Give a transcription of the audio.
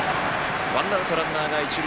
ワンアウト、ランナーが一塁。